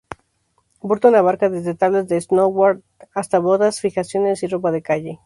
Burton abarca desde tablas de snowboard hasta botas, fijaciones y ropa de calle.